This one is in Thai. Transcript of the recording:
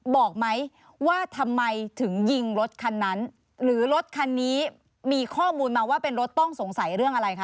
บอกไหมว่าทำไมถึงยิงรถคันนั้นหรือรถคันนี้มีข้อมูลมาว่าเป็นรถต้องสงสัยเรื่องอะไรคะ